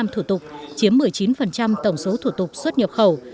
bốn mươi năm thủ tục chiếm một mươi chín tổng số thủ tục xuất nhập khẩu